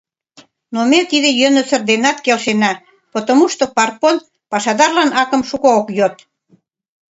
Но ме тиде йӧнысыр денат келшена, потомушто Парпон пашадарлан акым шуко ок йод.